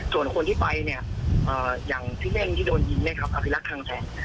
ส่วนคนที่ไปเนี้ยอ่าอย่างที่เล่นที่โดนยิงเนี้ยครับอภิลักษณ์ทางแสง